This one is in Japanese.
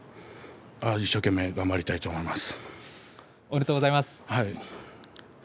一生懸命頑張りたいと思います。